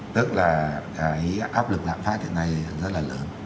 tức là cái áp lực lãng phát hiện nay rất là lớn